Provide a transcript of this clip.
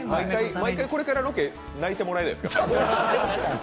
毎回これからロケ泣いてもらえないですか？